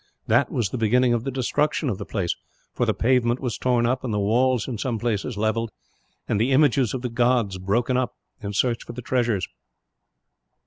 That was the beginning of the destruction of the place; for the pavement was torn up, and the walls in some places levelled, and the images of the gods broken up in search for the treasures.